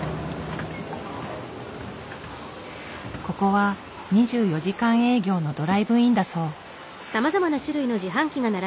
ここは２４時間営業のドライブインだそう。